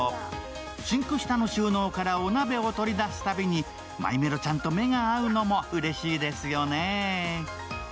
シンク下の収納からお鍋を取り出すたびに、マイメロちゃんと目が合うのもうれしいですよね。